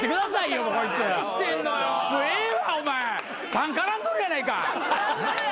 タン絡んどるやないか。